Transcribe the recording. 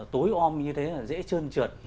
tối ôm như thế là dễ trơn trượt